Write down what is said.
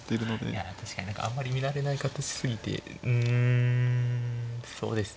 いや確かに何かあんまり見慣れない形すぎてうんそうですね